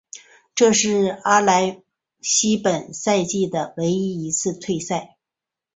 这是阿莱西本赛季的唯一一次退赛。